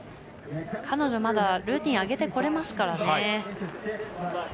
彼女まだルーティン上げてこれますからね。